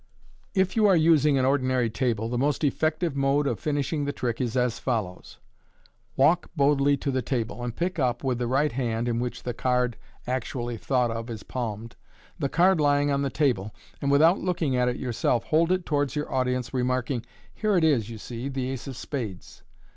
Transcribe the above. If you are using an ordinary table, the most effective mode of finishing the trick is as follows :— Walk boldly to the table, and pick up with the right hand (in which the card actually thought of is palmed) the card lying on the table, and, without looking at it your self, hold it towards your audience, remarking, " Here it is, you see, the ace of spades."